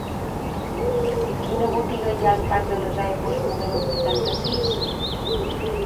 Quina botiga hi ha al parc de les Aigües número vuitanta-sis?